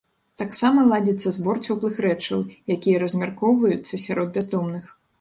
Таксама ладзіцца збор цёплых рэчаў, якія размяркоўваюцца сярод бяздомных.